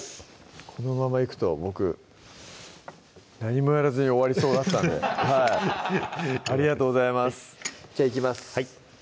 このままいくと僕何もやらずに終わりそうだったんでありがとうございますじゃあいきます